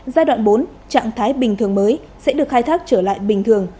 giai đoạn bốn trạng thái bình thường mới sẽ được khai thác trở lại bình thường